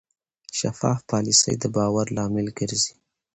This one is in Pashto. شفاف پالیسي د باور لامل ګرځي.